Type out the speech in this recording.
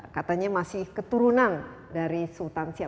katanya masih keturunan dari sultan siak